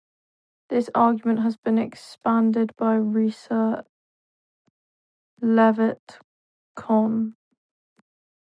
This argument has been expanded by Risa Levitt Kohn.